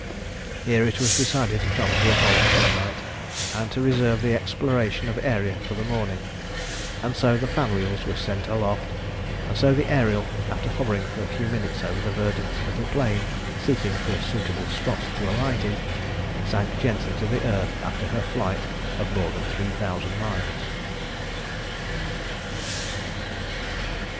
Here it was decided to come to a halt for the night, and to reserve the exploration of Aeria for the morning, and so the fan wheels were sent aloft, and the Ariel, after hovering for a few minutes over the verdant little plain seeking for a suitable spot to alight in, sank gently to the earth after her flight of more than three thousand miles.